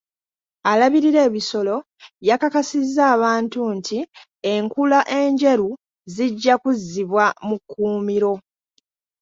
Alabirira ebisolo yakakasizza abantu nti enkula enjeru zijja kuzzibwa mu kkuumiro.